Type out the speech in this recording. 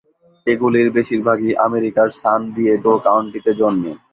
এগুলির বেশিরভাগই আমেরিকার সান দিয়েগো কাউন্টিতে জন্মে।